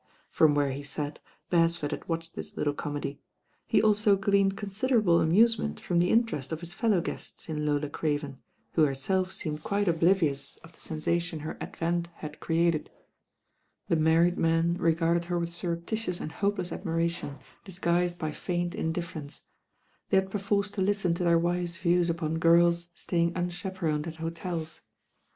From where he sat, Bcresford had watched this little comedy. He also gleaned considerable amuse ment from the Interest of his fellow guests In I ola Craven; who herself seemed quite oblivious of the sensation her advent had created. The married men regarded her with surreptitious and hopeless admi THE TOTRTY NINE ARTICLES 167 ration, disguised by feigned indifference. They had perforce to listen to their wives' views upon girls staying unchaperoned at hotels.